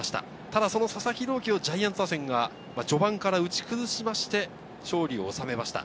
ただその佐々木朗希をジャイアンツ打線が序盤から打ち崩して勝利を収めました。